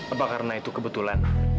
apa karena itu kebetulan